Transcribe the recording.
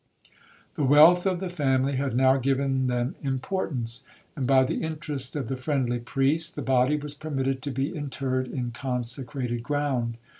The wealth of the family had now given them importance; and, by the interest of the friendly priest, the body was permitted to be interred in consecrated ground.